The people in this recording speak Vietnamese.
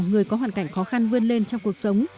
người có hoàn cảnh khó khăn vươn lên trong cuộc sống